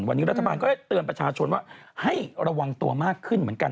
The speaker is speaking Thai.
วันนี้รัฐบาลก็ได้เตือนประชาชนว่าให้ระวังตัวมากขึ้นเหมือนกัน